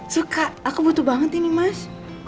suka aku butuh banget ini mas